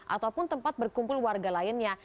ataupun tempat berkumpul warga lainnya